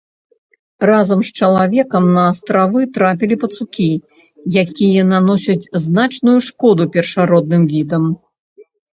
Разам з чалавекам на астравы трапілі пацукі, якія наносяць значную шкоду першародным відам.